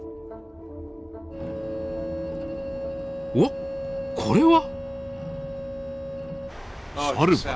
おっこれは。